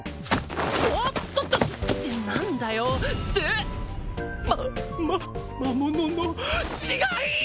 わっとっとっとって何だよってまま魔物の死骸！